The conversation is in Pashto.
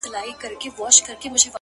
كله.!ناكله غلتيږي څوك غوصه راځي.!